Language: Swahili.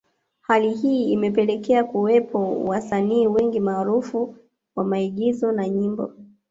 Hali hii imepelekea kuwepo wasanii wengi maarufu wa maigizo na nyimbo